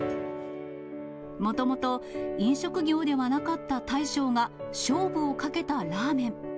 もともと飲食業ではなかった大将が、勝負をかけたラーメン。